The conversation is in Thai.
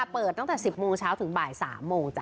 เปิดตั้งแต่๑๐โมงเช้าถึงบ่าย๓โมงจ้